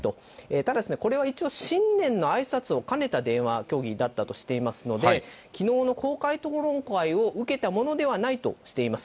ただしこれは一応、新年のあいさつを兼ねた電話協議だったとしていますので、きのうの公開討論会を受けたものではないとしています。